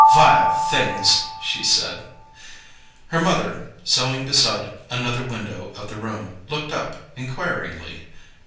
"Vile Things!" she said. Her mother, sewing beside another window of the room, looked up inquiringly.